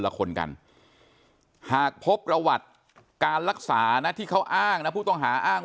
ละคนกันหากพบประวัติการรักษานะที่เขาอ้างนะผู้ต้องหาอ้างว่า